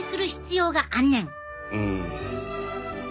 うん。